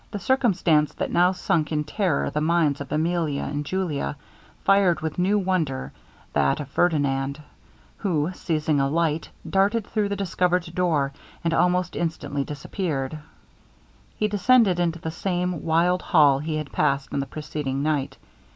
The circumstance that now sunk in terror the minds of Emilia and Julia, fired with new wonder that of Ferdinand, who seizing a light, darted through the discovered door, and almost instantly disappeared. He descended into the same wild hall he had passed on the preceding night.